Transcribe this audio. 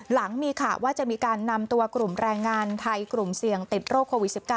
หลังมีข่าวว่าจะมีการนำตัวกลุ่มแรงงานไทยกลุ่มเสี่ยงติดโรคโควิด๑๙